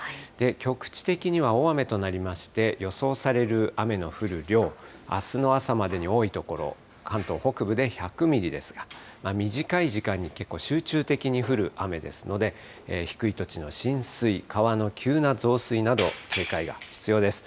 局地的には、大雨となりまして、予想される雨の降る量、あすの朝までに多い所、関東北部で１００ミリですが、短い時間に結構集中的に降る雨ですので、低い土地の浸水、川の急な増水など、警戒が必要です。